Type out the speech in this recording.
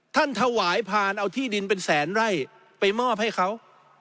ท่านถวายพานเอาที่ดินเป็นแสนไร่ไปมอบให้เขา